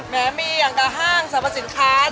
แหมมีอย่างกับห้างสรรพสินค้าเนี่ย